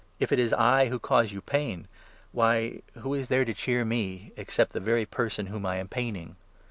If it is I who cause you pain, why, who 2 is there to cheer me, except the very person whom I am paining?